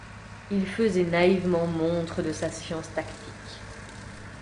Il faisait naïvement montre de sa science tactique.